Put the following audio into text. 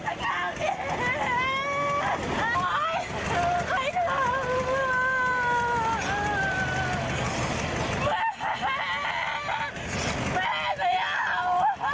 ที่ฟัง